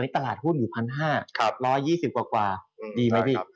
ตลาดหุ้นอยู่๑๕๐๐๑๒๐กว่าดีไหมพี่